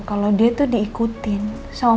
kalau dia tuh diikutin sama mobil